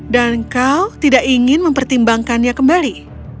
dan kau tidak ingin mempertimbangkannya kembali